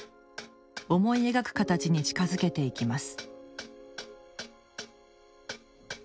思い描く形に近づけていきます